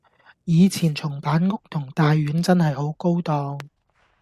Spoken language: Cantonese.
以前松板屋同大丸真係好高檔